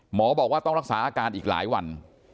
หมอบอกว่าต้องรักษาอาการอีกหลายวัน